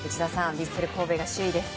ヴィッセル神戸が首位です。